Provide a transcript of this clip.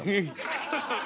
アハハハ。